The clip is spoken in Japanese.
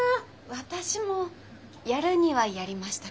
私もやるにはやりましたけど。